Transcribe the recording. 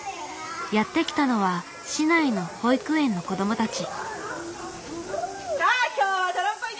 やって来たのは市内の保育園の子どもたち。